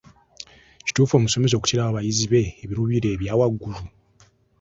Kituufu omusomesa okuteerawo abayizi be ebiruubiriwa ebya waggului?